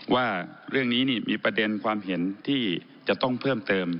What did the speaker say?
ว่าเรื่องนี้มีประเด็นความเห็นที่จะต้องเพิ่มเติม